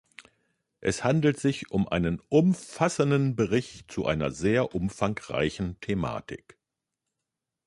Es handelt sich um einen umfassenden Bericht zu einer sehr umfangreichen Thematik.